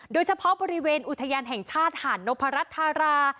โดยเฉพาะบริเวณอุทยานแห่งชาติหาดนพรัชธารา